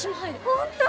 本当？